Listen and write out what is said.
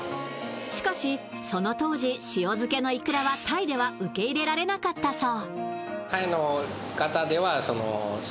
しかしその当時、塩漬けのいくらはタイでは受け入れられなかったそう。